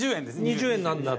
２０円なんだと。